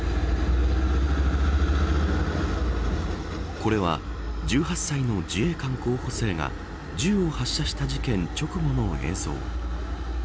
これは１８歳の自衛官候補生が銃を発射した事件直後の映像。